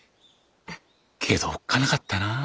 けどおっかなかったなぁ。